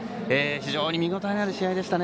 非常に見応えのある試合でした。